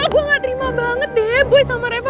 gue ga terima banget deh boy sama reva